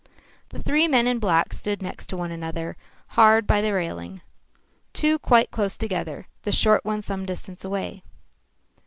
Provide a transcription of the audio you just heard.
The three men in black stood next to one another hard by the railing, two quite close together, the short one some distance away.